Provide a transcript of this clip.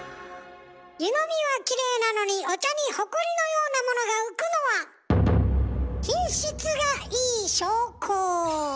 湯のみはきれいなのにお茶にホコリのようなものが浮くのは品質がいい証拠。